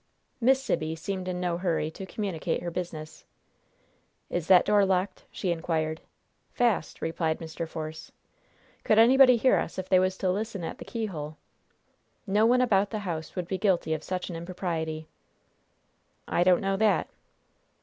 Miss Sibby seemed in no hurry to communicate her business. "Is that door locked?" she inquired. "Fast," replied Mr. Force. "Could anybody hear us if they was to listen at the keyhole?" "No one about the house would be guilty of such an impropriety." "I don't know that."